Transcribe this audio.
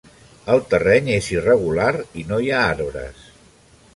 El terreny és irregular i no hi ha arbres.